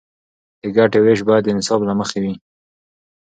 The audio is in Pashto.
د ګټې ویش باید د انصاف له مخې وي.